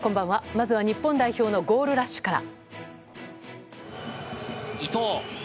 まずは日本代表のゴールラッシュから。